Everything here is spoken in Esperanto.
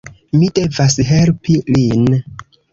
Mi devas helpi lin.